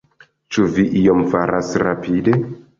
Ĉu vi ion faras rapide?